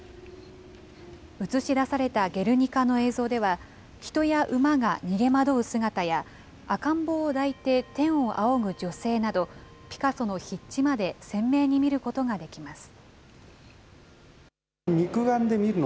映し出されたゲルニカの映像では、人や馬が逃げ惑う姿や、赤ん坊を抱いて天を仰ぐ女性など、ピカソの筆致まで鮮明に見ることができます。